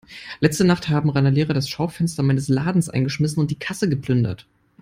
Letzte Nacht haben Randalierer das Schaufenster meines Ladens eingeschmissen und die Kasse geplündert.